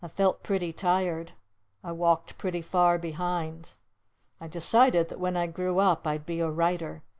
I felt pretty tired. I walked pretty far behind. I decided that when I grew up I'd be a Writer!